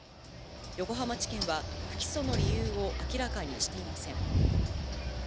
横浜地検は、不起訴の理由を明らかにしていません。